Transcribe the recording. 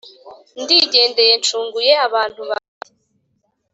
ndigendeye ncunguye abantu banjye.